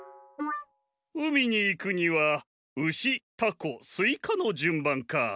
うみにいくにはウシタコスイカのじゅんばんか。